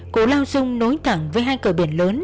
củ lao dung nối thẳng với hai cờ biển lớn